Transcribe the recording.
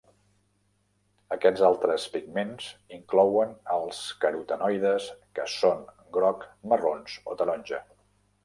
Aquests altres pigments inclouen els carotenoides que són groc, marrons o taronja.